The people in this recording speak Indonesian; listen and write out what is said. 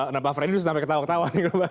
nampak freddy just sampai ketawa ketawa